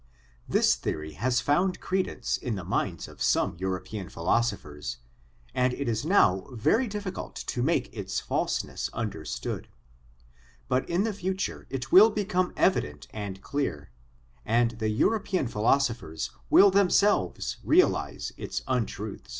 This theory has found credence in the minds of some European philosophers, and it is now very difficult to make its falseness understood, but in the future it will become evident and clear, and the European philoso phers will themselves realise its untruth.